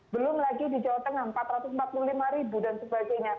belum lagi di jawa tengah empat ratus empat puluh lima ribu dan sebagainya